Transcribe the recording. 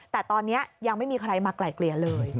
แต่ตอนนี้ยังไม่มีใครมาไกล่เกลี่ยเลย